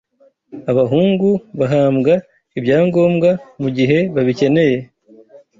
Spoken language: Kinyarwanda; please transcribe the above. abahungu bahambwa ibyangombwa mu gihe babikeneye